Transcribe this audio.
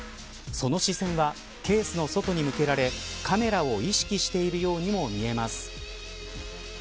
その視線は、ケースの外に向けられカメラを意識しているようにも見えます。